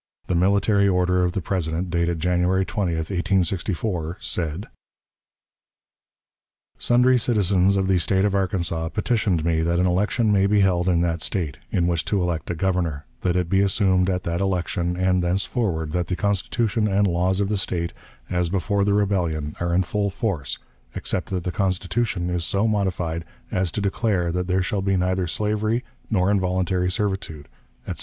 The military order of the President, dated January 20, 1864, said: "Sundry citizens of the State of Arkansas petitioned me that an election may be held in that State, in which to elect a Governor; that it be assumed at that election, and thenceforward, that the Constitution and laws of the State, as before the rebellion, are in full force, except that the Constitution is so modified as to declare that there shall be neither slavery nor involuntary servitude," etc.